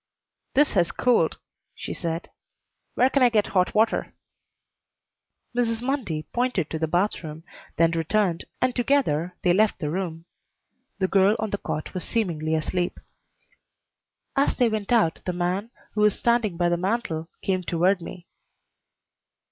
"This has cooled," she said. "Where can I get hot water?" Mrs. Mundy pointed to the bath room, then turned, and together they left the room. The girl on the cot was seemingly asleep. As they went out the man, who was standing by the mantel, came toward me.